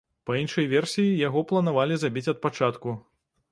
Па іншай версіі, яго планавалі забіць ад пачатку.